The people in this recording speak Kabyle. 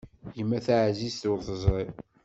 Yemma taɛzizt ur teẓri.